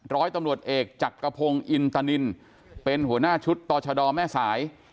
ร้อยตำรวจเอกจักรพงศ์อินตนินเป็นหัวหน้าชุดต่อชะดอแม่สาย